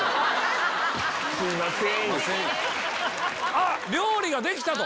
あっ料理ができたと。